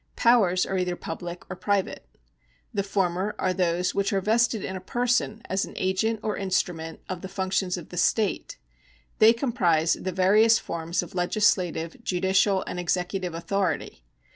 Powers are either public or private. The former are those which are vested in a person as an agent or instrument of the functions of the state ; they comprise the various forms of legislative, judicial, and exe cutive authority.